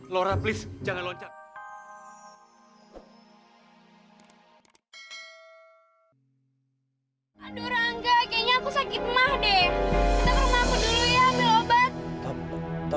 laura please jangan loncat